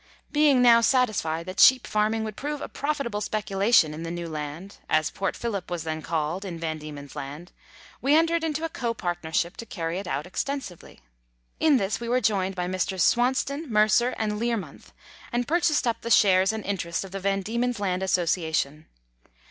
Being now satisfied that sheep farming would prove a profitable speculation in the New Land, as Port Phillip was then called in Van Diemen's Land, we entered into a copartnership to carry it out extensively. In this we were joined by Messrs. Swauston, Mercer, and Learmonth, and pur chased up the shares and interest of the Van Diemen's Land Association.